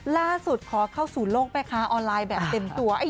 ล่าสุดขอเข้าสู่โลกแม่ค้าออนไลน์แบบเต็มตัว